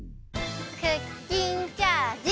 クッキンチャージ。